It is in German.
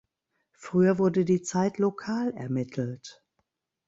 Früher wurde die Zeit lokal ermittelt.